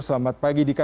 selamat pagi dika